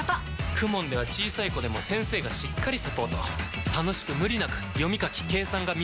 ＫＵＭＯＮ では小さい子でも先生がしっかりサポート楽しく無理なく読み書き計算が身につきます！